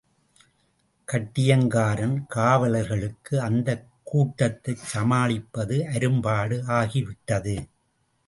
கட்டியங்காரன் காவலர்களுக்கு அந்தக் கூட்டத்தைச் சமாளிப்பது அரும்பாடு ஆகிவிட்டது.